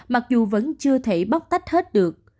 mặc dù vẫn chưa thể bóc tách hết được